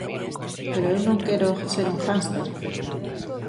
Pero eu non quero ser un hámster.